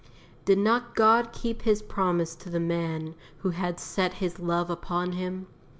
Did not God keep His promise to the man who had "set his love upon Him"?